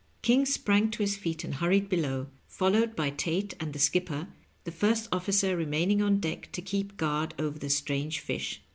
King sprang to his feet and hurried below, followed by Tate and the skipper, the first officer remaining on deck to keep guard over the strange fish.